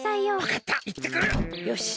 よし。